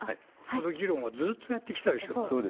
その議論はずーっとやってきたでしょう。